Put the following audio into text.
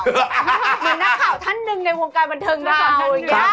เหมือนนักข่าวท่านหนึ่งในวงการบันเทิงนะคะ